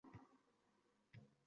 O`g`lim bir adashdi-da, Hilolaxon